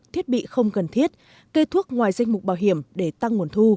thiết bị không cần thiết kê thuốc ngoài danh mục bảo hiểm để tăng nguồn thu